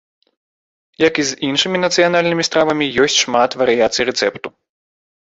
Як і з іншымі нацыянальнымі стравамі, ёсць шмат варыяцый рэцэпту.